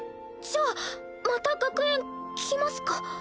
じゃあまた学園来ますか？